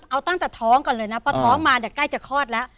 เอาตั้งแต่ท้องก่อนเลยนะพอท้องมาเนี่ยใกล้จะคลอดแล้ว